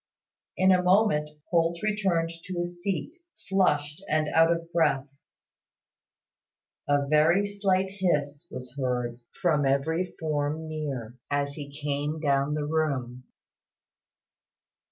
In a moment, Holt returned to his seat, flushed and out of breath. A very slight hiss was heard from every form near, as he came down the room.